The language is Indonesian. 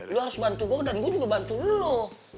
lu harus bantu gue dan gue juga bantu lu